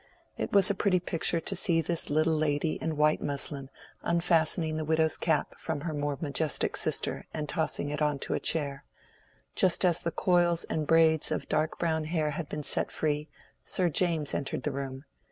It was a pretty picture to see this little lady in white muslin unfastening the widow's cap from her more majestic sister, and tossing it on to a chair. Just as the coils and braids of dark brown hair had been set free, Sir James entered the room.